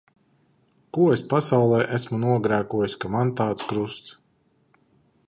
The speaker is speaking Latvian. Ko es pasaulē esmu nogrēkojusi, ka man tāds krusts.